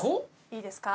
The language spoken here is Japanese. いいですか？